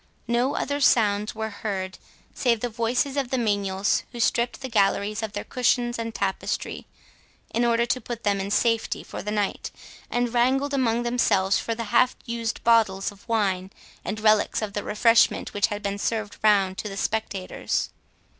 No other sounds were heard save the voices of the menials who stripped the galleries of their cushions and tapestry, in order to put them in safety for the night, and wrangled among themselves for the half used bottles of wine and relics of the refreshment which had been served round to the spectators.